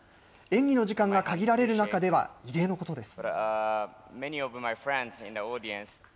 演技の時間が限られる中では、異例のことです。